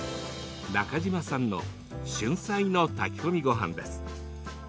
中嶋さんの春菜の炊き込みごはんです。